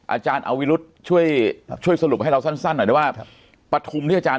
อาจารย์อวิรุธช่วยช่วยสรุปให้เราสั้นหน่อยได้ว่าปฐุมที่อาจารย